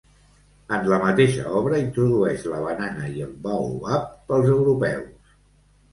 En la mateixa obra introdueix la banana i el baobab pels europeus.